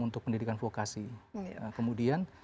untuk pendidikan vokasi kemudian